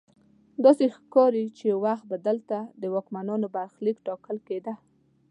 داسې ښکاري چې یو وخت به دلته د واکمنانو برخلیک ټاکل کیده.